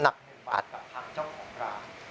หนัก๑บาทกับทางเจ้าของร้าน